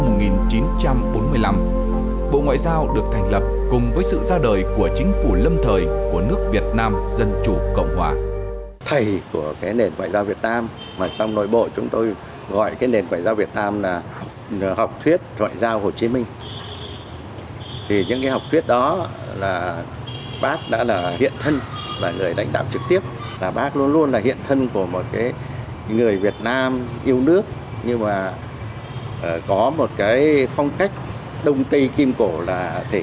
bộ ngoại giao được thành lập cùng với sự ra đời của chính phủ lâm thời của nước việt nam dân chủ cộng hòa